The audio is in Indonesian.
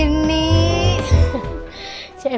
eh ada sahrini